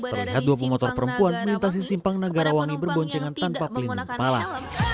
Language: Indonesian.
terlihat dua pemotor perempuan melintasi simpang nagar wangi berboncengan tanpa pelindung palang